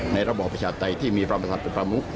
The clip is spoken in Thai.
ในระบบประชาไตที่มีประสับประมุข